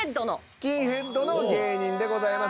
「スキンヘッドの芸人」でございます。